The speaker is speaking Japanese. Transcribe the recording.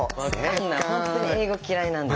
本当英語嫌いなんです。